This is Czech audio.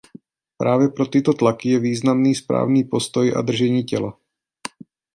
Právě pro tyto tlaky je významný správný postoj a držení těla.